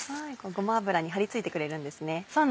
ごま油に貼り付いてくれるんですね。